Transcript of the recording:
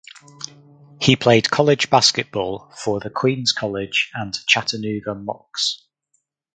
He played college basketball for the Queens College and Chattanooga Mocs.